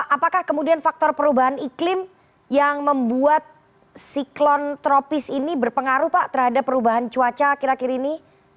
apakah kemudian faktor perubahan iklim yang membuat siklon tropis ini berpengaruh pak terhadap perubahan cuaca akhir akhir ini